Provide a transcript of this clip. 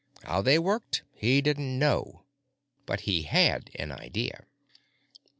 How they worked, he didn't know— But he had an idea.